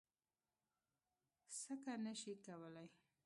څکه نه شي کولی.